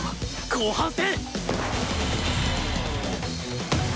後半戦！